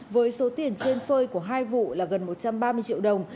với số tiền trên phơi của hai vụ là gần một trăm ba mươi triệu đồng